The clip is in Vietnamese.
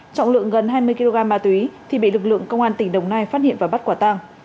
trọng lượng gần hai mươi kg ma túy thì bị lực lượng công an tỉnh đồng nai phát hiện và bắt quả tăng